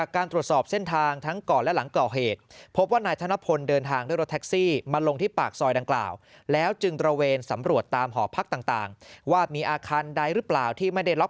ก็เขาเหตุพบว่านายธนพลเดินทางได้โรโตรแท็กซี่มาลงที่ปากซอยดังกราวแล้วจึงตะเหวรสำรวจตามหอพักต่างว่ามีอาคารไหนหรือเปล่าที่ไม่ได้ล็อค